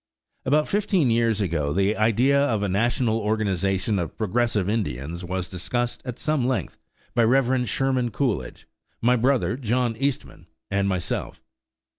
About fifteen years ago the idea of a national organization of progressive Indians was discussed at some length by Rev. Sherman Coolidge, my brother, John Eastman, and myself.